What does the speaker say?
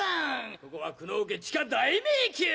ここは九能家地下大迷宮！